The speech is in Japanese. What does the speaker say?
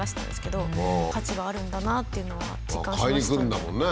価値はあるんだなっていうのは実感しましたね。